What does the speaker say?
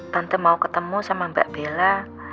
tante mau ketemu sama mbak bella